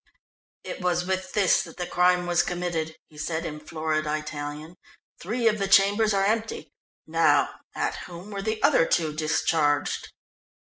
"It was with this that the crime was committed," he said in florid Italian. "Three of the chambers are empty. Now, at whom were the other two discharged?"